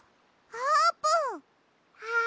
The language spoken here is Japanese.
あーぷん！